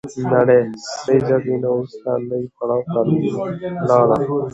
نړۍ د سړې جګړې نه وروسته نوي پړاو ته لاړه.